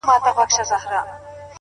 • خو زموږ پر کلي د غمونو بارانونه اوري ,